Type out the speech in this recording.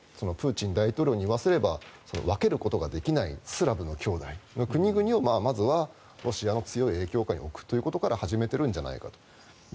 プーチン大統領に言わせれば分けることができないスラブの兄弟の国々をまずはロシアの強い影響下に置くということから始めているんじゃないかと。